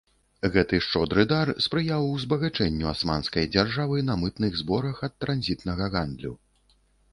Гэты шчодры дар спрыяў узбагачэнню асманскай дзяржавы на мытных зборах ад транзітнага гандлю.